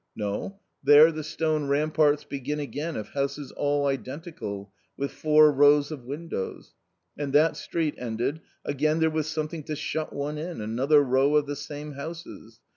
No, there the stone ramparts begin again of houses all identical, with four rows of windows. And that street ended, again there was some ^ thing to shut one in, another row of the same houses.